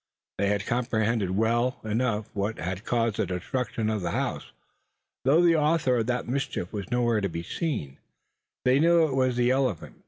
They comprehended well enough what had caused the destruction of the house. Though the author of that mischief was nowhere to be seen, they knew it was the elephant.